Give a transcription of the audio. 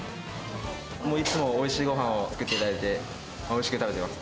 もういつも、おいしいごはんを作っていただいて、おいしく食べてます。